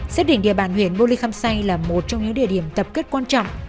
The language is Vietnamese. xếp định địa bàn huyền bô ly khâm xay là một trong những địa điểm tập kết quan trọng